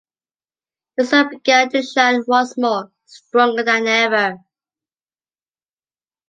The sun began to shine once more, stronger than ever.